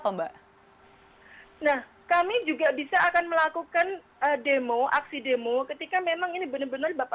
majikan jadi kami tetap